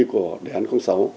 của đề án sáu